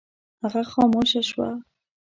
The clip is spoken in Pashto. هغه خاموشه شوه.